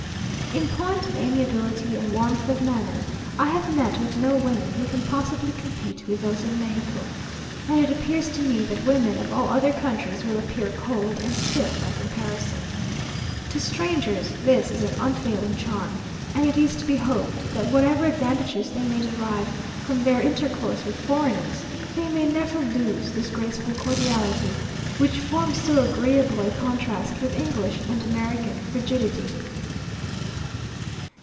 In point of amiability and warmth of manner, I have met with no women who can possibly compete with those in Mexico, and it appears to me that women of all other countries will appear cold and stiff by comparison. To strangers this is an unfailing charm, and it is to be hoped that whatever advantages they may derive from their intercourse with foreigners, they may never lose this graceful cordiality, which forms so agreeable a contrast with English and American frigidity.